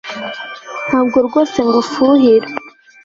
Ntabwo rwose ngufuhira